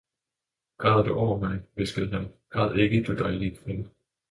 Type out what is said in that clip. Græder du over mig? hviskede han, græd ikke, du dejlige kvinde!